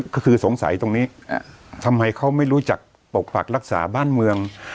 ก็คือสงสัยตรงนี้ทำไมเขาไม่รู้จักปกปักรักษาบ้านเมือง